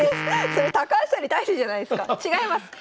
それ高橋さんに対してじゃないですか。違います。